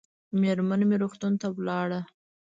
مېرمن مې روغتون ته ولاړه